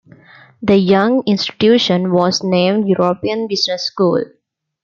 The young institution was named European Business School.